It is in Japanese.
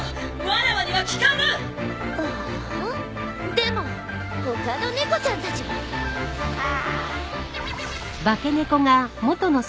でも他の猫ちゃんたちは？ア。ア。